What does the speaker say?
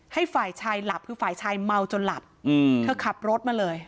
ให้ฝ่ายชายหลับคือฝ่ายชายเมาจนหลับเธอขับรถมาเลย